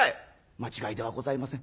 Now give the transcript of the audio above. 「間違いではございません。